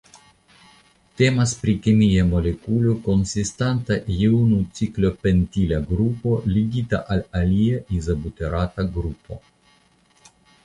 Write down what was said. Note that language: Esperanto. Temas pri kemia molekulo konsistanta je unu ciklopentila grupo ligita al alia izobuterata grupo.